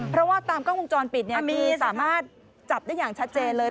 เพราะว่าตามกล้องวงจรปิดเนี่ยมีสามารถจับได้อย่างชัดเจนเลย